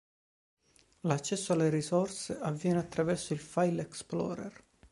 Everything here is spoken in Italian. L'accesso alle risorse avviene attraverso il File Explorer.